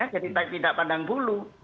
jadi tidak pandang bulu